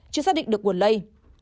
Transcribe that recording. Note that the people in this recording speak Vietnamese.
chưa xác định được quần lây